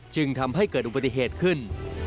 จึงทำให้เกิดอุบัติเหตุขึ้น